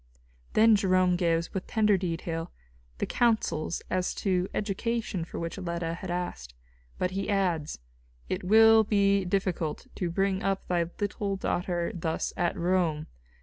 Then Jerome gives, with tender detail, the counsels as to education for which Leta had asked. But he adds: "It will be difficult to bring up thy little daughter thus at Rome.